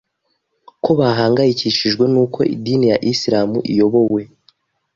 ko bahangayikishijwe n’uko idini ya Islam iyobowe